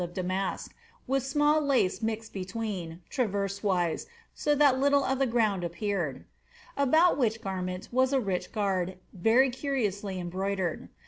349 of damask, with small lace mixed between, traverse wise, so that little of the ground appeared ; about which garment was a rich guard, very cariously embroidered.